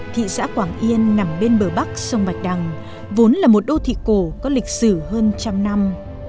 thị xã quảng yên nằm bên bờ bắc sông bạch đằng vốn là một đô thị cổ có lịch sử hơn trăm năm